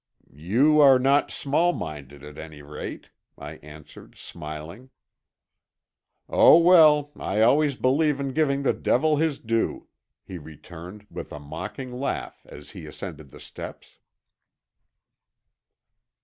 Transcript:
"You are not small minded at any rate," I answered smiling. "Oh, well, I always believe in giving the devil his due," he returned with a mocking laugh as he ascended the steps.